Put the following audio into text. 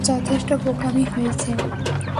যথেষ্ঠ বোকামি হয়েছে।